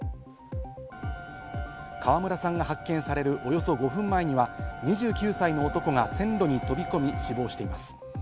川村さんが発見されるおよそ５分前には、２９歳の男が線路に飛び込み死亡しています。